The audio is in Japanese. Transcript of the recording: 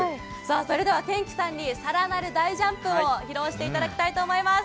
それでは賢希さんに更なる大ジャンプを披露していただきたいと思います。